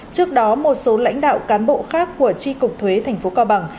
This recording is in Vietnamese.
trước đó một số lãnh đạo cán bộ khác của tri cục thuế thành phố cao bằng